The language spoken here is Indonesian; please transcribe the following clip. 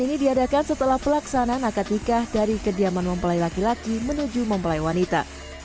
ini diadakan setelah pelaksanaan akad nikah dari kediaman mempelai laki laki menuju mempelai wanita